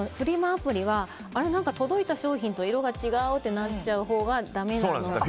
アプリは届いた商品と色が違うってなっちゃうほうがだめなので。